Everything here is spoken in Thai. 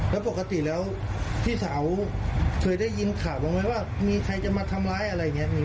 แล้วปกติแล้วพี่สาวเคยได้ยินข่าวบ้างไหมว่ามีใครจะมาทำร้ายอะไรอย่างนี้